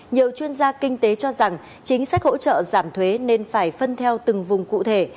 nhiều chuyên gia kinh tế cho rằng chính sách hỗ trợ giảm thuế nên phải phân theo từng vùng cụ thể